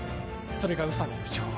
それが宇佐美部長